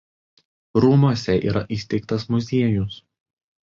Rūmuose yra įsteigtas muziejus.